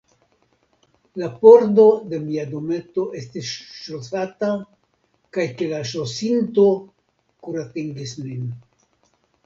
La pordo de mia dometo estis ŝlosata kaj ke la ŝlosinto kuratingis nin.